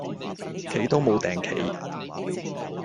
企都無碇企